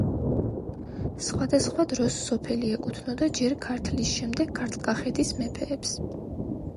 სხვადასხვა დროს სოფელი ეკუთვნოდა ჯერ ქართლის, შემდეგ ქართლ-კახეთის მეფეებს.